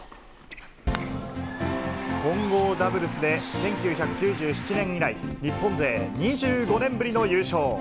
混合ダブルスで１９９７年以来、日本勢２５年ぶりの優勝。